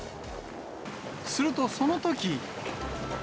するとそのとき。